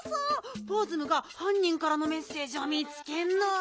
ポーズムがはんにんからのメッセージを見つけんの。